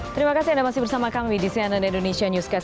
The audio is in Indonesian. terima kasih anda masih bersama kami di cnn indonesia newscast